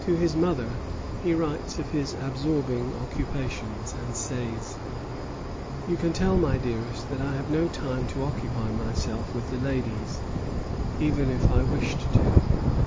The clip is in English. To his mother he writes of his absorbing occupations, and says: "You can tell my dearest that I have no time to occupy myself with the ladies, even if I wished to."